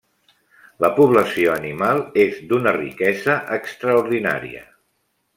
La població animal és d'una riquesa extraordinària.